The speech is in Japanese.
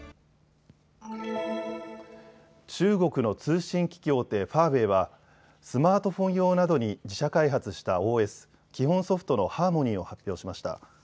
中国の通信機器大手ファーウェイはスマートフォン用などに自社開発したＯＳ・基本ソフトのハーモニーを発表しました。